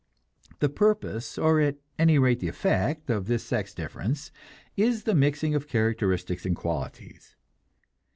The purpose, or at any rate the effect, of this sex difference is the mixing of characteristics and qualities.